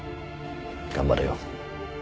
頑張れよ。